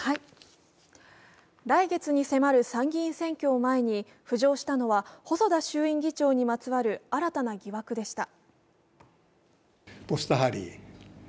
来月に迫る参議院選挙を前に浮上したのは細田衆議院議長にまつわる新たな疑惑でした。